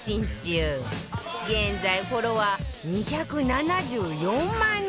現在フォロワー２７４万人！